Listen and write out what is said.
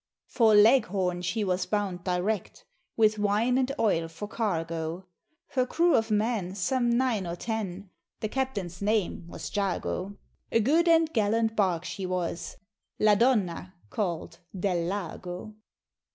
For Leghorn she was bound direct, With wine and oil for cargo, Her crew of men some nine or ten, The captain's name was Jago; A good and gallant bark she was, La Donna (call'd) del Lago.